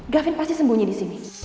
gavin pasti sembunyi di sini